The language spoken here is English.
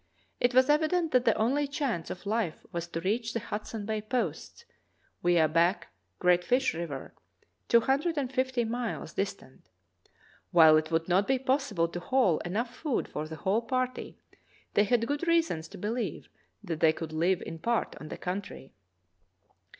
It was evident that the only chance of life was to reach the Hudson Bay posts, via Back (Great Fish) River, two hundred and fifty miles dis tant. While it would not be possible to haul enough food for the whole party, they had good reasons to be lieve that they could live in part on the country.